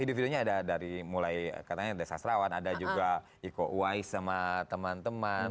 video videonya ada mulai dari sastrawan ada juga iko uwais sama teman teman